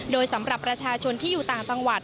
โดยสำหรับประชาชนที่อยู่ต่างจังหวัด